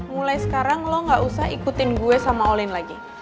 mulai sekarang lo gak usah ikutin gue sama olin lagi